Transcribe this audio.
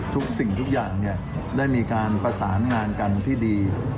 ทุกสิ่งทุกอย่างได้มีการประสานงานกันที่ดี